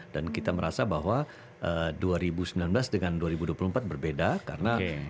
dan kita merasa bahwa dua ribu sembilan belas dengan dua ribu dua puluh empat berbeda karena kita tidak ada melihat adanya apa politik identitas